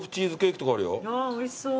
おいしそう。